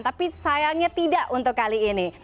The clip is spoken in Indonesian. tapi sayangnya tidak untuk kali ini